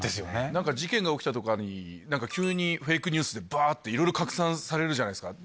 なんか事件が起きたとかに、なんか急に、フェイクニュースで、ばーっといろいろ拡散されるじゃないですか。